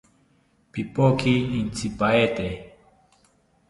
Pipoki intzipaete